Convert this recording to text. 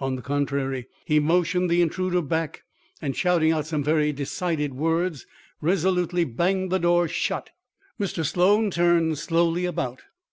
On the contrary, he motioned the intruder back, and shouting out some very decided words, resolutely banged the door shut. Mr. Sloan turned slowly about.